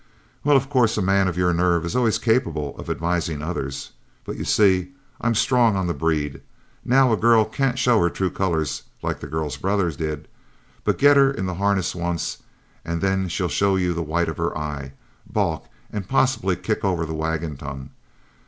"Well, of course a man of your nerve is always capable of advising others. But you see, I'm strong on the breed. Now a girl can't show her true colors like the girl's brother did, but get her in the harness once, and then she'll show you the white of her eye, balk, and possibly kick over the wagon tongue.